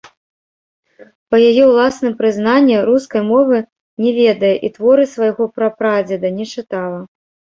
Па яе ўласным прызнанні, рускай мовы не ведае і творы свайго прапрадзеда не чытала.